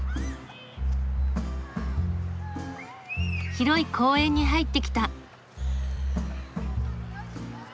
広い公園に入ってきた。